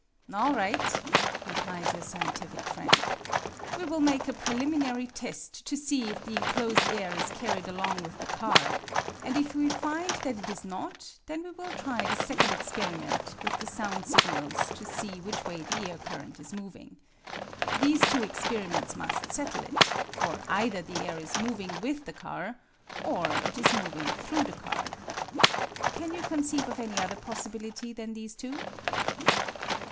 " All right," replies your scientific friend, " we will make a pre liminary test to see if the enclosed air is carried along with the car, and if we find that it is not then we will try the second experiment with the sound signals to see which way the air current is moving. These two experiments must settle it, for either the air is moving with the car or it is moving through the car. Can you conceive of any other possibility than these two?